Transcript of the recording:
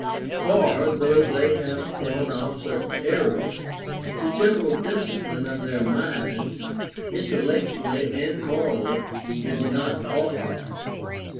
For, though they have thrown off certain errors, the general discipline of their minds, intellectually and morally, is not altered.